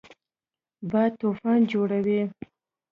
باد طوفان جوړوي